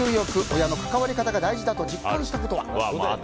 親の関わり方が大事と実感したことは？